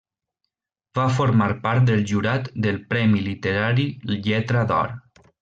Va formar part del jurat del premi literari Lletra d'Or.